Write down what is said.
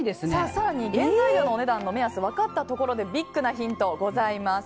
更に、原材料のお値段の目安が分かったところでビッグなヒントです。